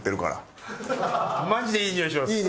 マジでいいにおいしてます。